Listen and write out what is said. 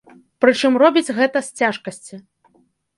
Прычым робіць гэта з цяжкасці.